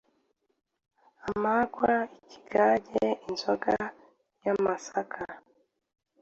Amarwa: ikigage, inzoga y’amasaka.